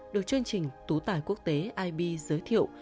được chương trình tú tài quốc tế ib giới thiệu